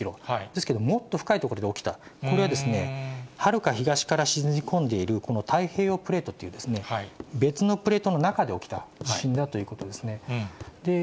ですけど、もっと深い所で起きた、これははるか東から沈み込んでいるこの太平洋プレートっていう、別のプレートの中で起きた地震だということですね。